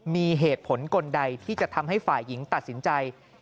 มีเหตุผลกลใดที่จะทำให้ฝ่ายหญิงตัดสินใจ